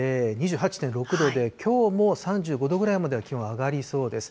２８．６度できょうも３５度ぐらいまで気温、上がりそうです。